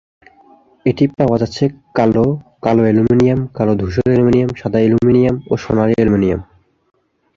এটি পাওয়া যাচ্ছে কালো, কালো অ্যালুমিনিয়াম, কালো ধূসর অ্যালুমিনিয়াম, সাদা অ্যালুমিনিয়াম ও সোনালী অ্যালুমিনিয়াম।